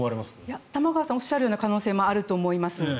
玉川さんがおっしゃるような可能性もあると思います。